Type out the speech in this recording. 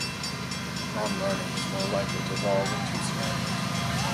Non-learning is more likely to evolve in two scenarios.